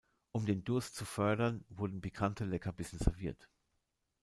Um den Durst zu fördern, wurden pikante Leckerbissen serviert.